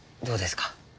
どうですか？